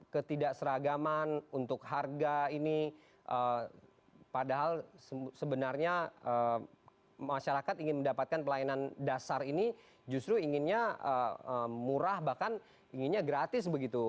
ketidakseragaman untuk harga ini padahal sebenarnya masyarakat ingin mendapatkan pelayanan dasar ini justru inginnya murah bahkan inginnya gratis begitu